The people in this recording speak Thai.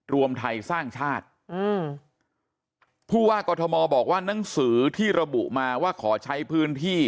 รวมไทยสร้างชาติอืมผู้ว่ากอทมบอกว่าหนังสือที่ระบุมาว่าขอใช้พื้นที่